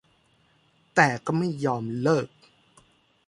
แต่ก็ไม่ยอมเลิก